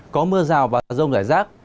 có mưa rào và rông giải rác